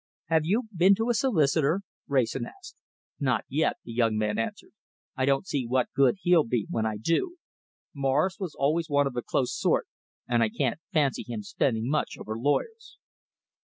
"Have you been to a solicitor?" Wrayson asked. "Not yet," the young man answered. "I don't see what good he'll be when I do. Morris was always one of the close sort, and I can't fancy him spending much over lawyers."